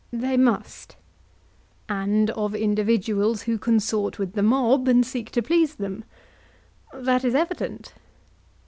They must. And of individuals who consort with the mob and seek to please them? That is evident.